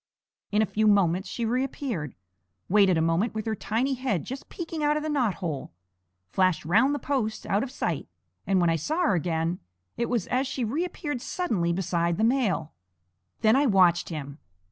In a few moments she reappeared, waited a moment with her tiny head just peeking out of the knot hole, flashed round the post out of sight, and when I saw her again it was as she reappeared suddenly beside the male. Then I watched him.